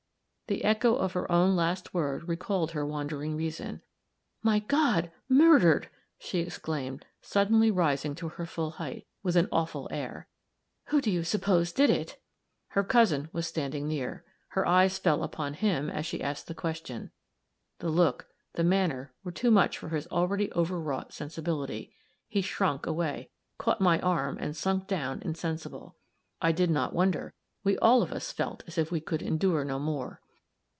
The echo of her own last word recalled her wandering reason. "My God! murdered!" she exclaimed, suddenly rising to her full hight, with an awful air; "who do you suppose did it?" Her cousin was standing near; her eyes fell upon him as she asked the question. The look, the manner, were too much for his already overwrought sensibility; he shrunk away, caught my arm, and sunk down, insensible. I did not wonder. We all of us felt as if we could endure no more.